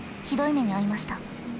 ひどい目に遭いました。